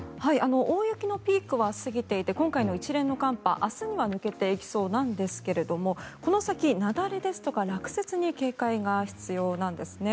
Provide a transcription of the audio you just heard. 大雪のピークは過ぎていて今回の一連の寒波明日には抜けていきそうなんですがこの先、雪崩ですとか落雪に警戒が必要なんですね。